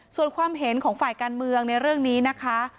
ส่วนความเห็นของฝ่ายการเมืองในเรื่องนี้นะคะ